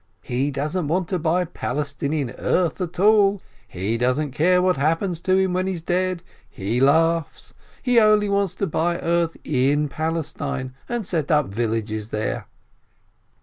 He doesn't want to buy Palestinian earth at all, he doesn't care what happens to him when he's dead, he laughs — he only wants to buy earth in Palestine, and set up villages there."